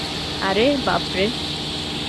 আরে, বাপরে।